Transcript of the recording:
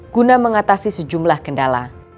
guna mengatasi sejumlah kendala